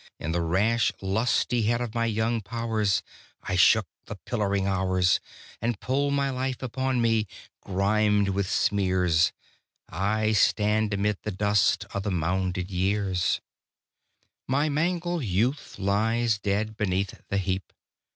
In the rash lustihead of my young powers, I shook the pillaring hours And pulled my life upon me; grimed with smears, I stand amid the dust o' the mounded years My mangled youth lies dead beneath the heap.